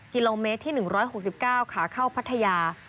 กิโลเมตรที่๑๖๙ขาเข้าพัทยา